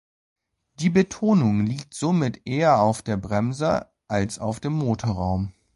Die Betonung liegt somit eher auf der Bremse als auf dem Motorraum.